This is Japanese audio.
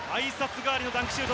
代わりのダンクシュート。